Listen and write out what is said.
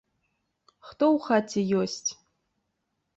Хто ў хаце ёсць?